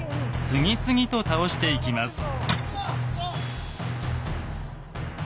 次々と倒していきます。